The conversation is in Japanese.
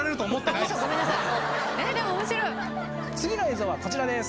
次の映像はこちらです。